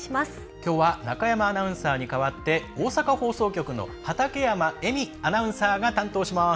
きょうは中山アナウンサーに代わって大阪放送局の畠山衣美アナウンサーが担当します。